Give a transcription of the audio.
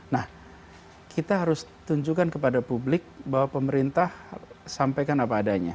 nah kita harus tunjukkan kepada publik bahwa pemerintah sampaikan apa adanya